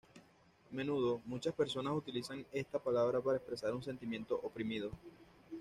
A menudo muchas personas utilizan esta palabra para expresar un sentimiento oprimido.